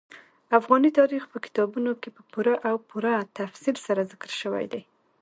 افغاني تاریخ په کتابونو کې په پوره او پوره تفصیل سره ذکر شوی دي.